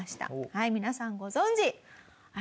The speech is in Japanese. はい皆さんご存じ。